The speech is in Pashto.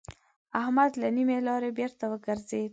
احمد له نيمې لارې بېرته وګرځېد.